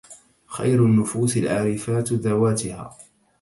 خير النفوس العارفات ذواتها